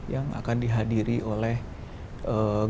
yang akan dihadiri oleh grup